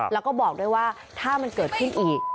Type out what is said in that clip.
แล้วก็บอกด้วยว่าถ้ามันเกิดขึ้นอีก